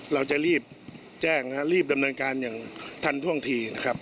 เราจะรีบแจ้งรีบดำเนินการอย่างทันท่วงทีนะครับ